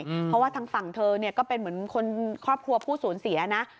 เพราะว่าทางฝั่งเธอเนี่ยก็เป็นเหมือนคนครอบครัวผู้สูญเสียนะ